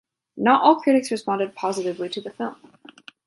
Not all critics responded positively to the film.